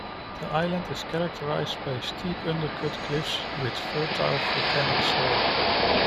The island is characterized by steep undercut cliffs, with fertile volcanic soil.